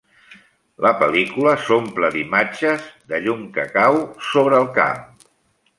La pel·lícula s'omple d'imatges de llum que cau sobre el camp.